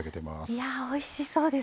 いやぁおいしそうですね。